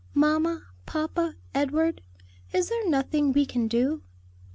"Mamma, papa, Edward, is there nothing we can do?"